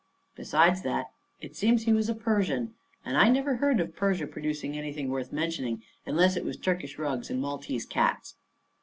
Besides that, it seems he was a Persian; and I never hear of Persia producing anything worth mentioning unless it was Turkish rugs and Maltese cats.